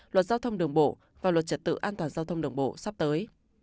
luật giao thông đồng bộ và luật trật tự an toàn giao thông đồng bộ sắp tới